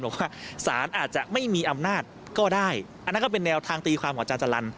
บอกว่าสารอาจจะไม่มีอำนาจก็ได้อันนั้นก็เป็นแนวทางตีความของอาจารย์จรรย์